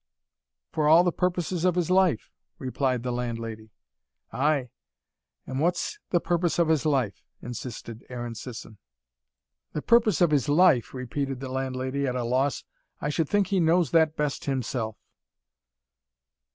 "For all the purposes of his life," replied the landlady. "Ay, an' what's the purpose of his life?" insisted Aaron Sisson. "The purpose of his life," repeated the landlady, at a loss. "I should think he knows that best himself."